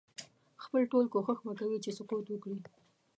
خپل ټول کوښښ به کوي چې سقوط وکړي.